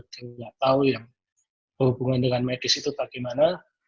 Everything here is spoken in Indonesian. karena kita kan orang awam saya kan orang awam saya tidak tahu hubungan dengan medis itu bagaimana